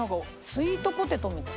スイートポテトみたい。